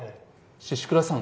宍倉さん